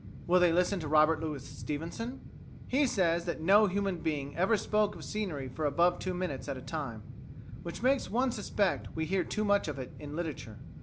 Will they listen to Robert Louis Stevenson? He says that "no human being ever spoke of scenery for above two minutes at a time, which makes one suspect we hear too much of it in literature."